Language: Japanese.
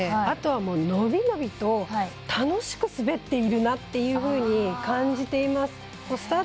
あとは、伸び伸びと楽しく滑っているなというふうに感じています。